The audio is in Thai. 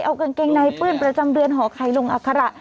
เอากางเกงในปื้นประจำเดือนห่อไข่ลงอัคระ